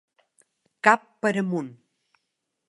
Cap per amunt.